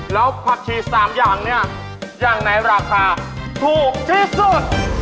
แล้วฝักชี๓อย่างราคาอย่างไหนถูกที่สุด